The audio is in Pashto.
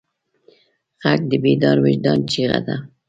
غږ د بیدار وجدان چیغه ده